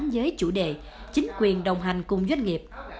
với chủ đề chính quyền đồng hành cùng doanh nghiệp